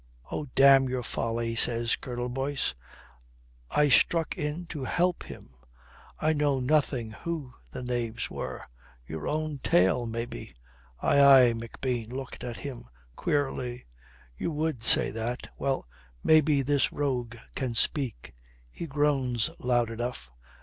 "Oh, damn your folly," says Colonel Boyce. "I struck in to help him. I know nothing who the knaves were. Your own tail, maybe." "Aye, aye," McBean looked at him queerly. "You would say that. Well, maybe this rogue can speak. He groans loud enough."